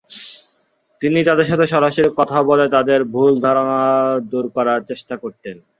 তিনি তাদের সাথে সরাসরি কথা বলে তাদের ভুল ধারণা দূর করার চেষ্টা করতেন।